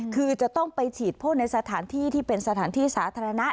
คือจะต้องไปฉีดพ่นในสถานที่ที่เป็นสถานที่สาธารณะ